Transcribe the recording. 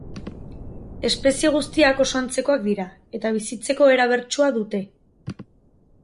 Espezie guztiak oso antzekoak dira, eta bizitzeko era bertsua dute.